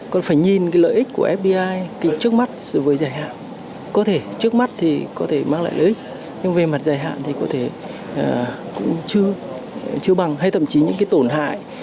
con phải nhìn lợi ích của fdi trước mắt với dài hạn có thể trước mắt thì có thể mang lại lợi ích nhưng về mặt dài hạn thì có thể cũng chưa bằng hay thậm chí những tổn hại